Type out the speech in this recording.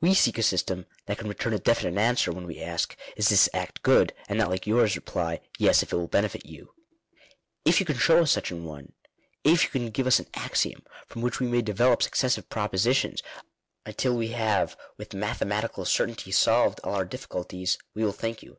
We seek a system that can return a definite answer when we ask — 'Is this act good?' and not like yours, reply — 'Yes, if it will benefit you.' If you can show us such an one— if you can give us an axiom from which we may develope successive Digitized by VjOOQIC INTRODUCTION. # propositions until we have with mathematical certainty solved all our difficulties — we will thank you.